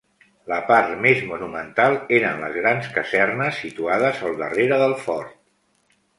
La part més monumental eren les grans casernes situades al darrere del fort.